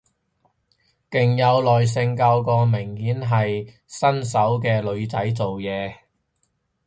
勁有耐性教個明顯係新手嘅女仔做嘢